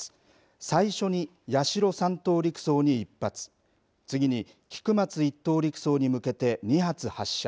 最初に八代３等陸曹に１発次に菊松１等陸曹に向けて２発発射。